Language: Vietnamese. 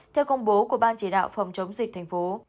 theo công bố của ban chỉ đạo phòng chống dịch thành phố